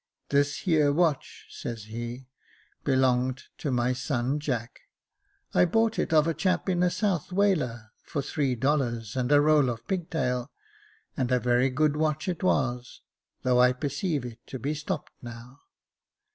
* This here watch,' says he, ' belonged to my son Jack. I bought it of a chap in a South Whaler for three dollars and a roll of pigtail, and a very good watch it was, though I perceive it to be stopped now.